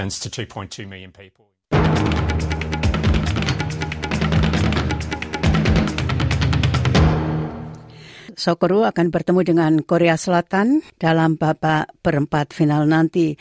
sokru akan bertemu dengan korea selatan dalam babak perempat final nanti